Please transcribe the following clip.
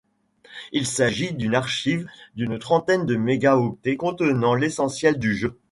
Il s'agit d'une archive d'une trentaine de mégaoctets contenant l'essentiel du jeu.